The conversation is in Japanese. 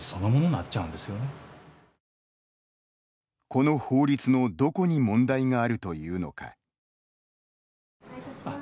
この法律のどこに問題があるというのか。